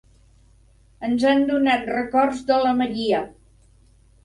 Ens han donat records de la Maria.